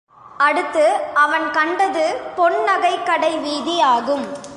அடுத்து அவன் கண்டது பொன் நகைக் கடை வீதியாகும்.